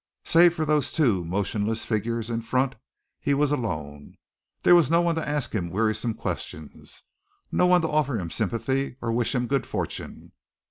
Save for the two motionless figures in front, he was alone. There was no one to ask him wearisome questions, no one to offer him sympathy or wish him good fortune.